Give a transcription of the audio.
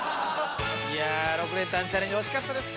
いや６連単チャレンジ惜しかったですね。